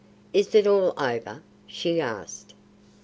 "Is it all over?" she asked.